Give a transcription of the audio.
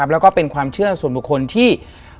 แล้วก็เป็นความเชื่อส่วนบุคคลที่